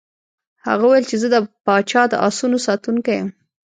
هغه وویل چې زه د پاچا د آسونو ساتونکی یم.